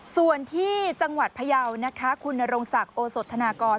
ส่วนที่จังหวัดพยาวนะคะคุณนรงศักดิ์โอสธนากร